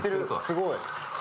すごい！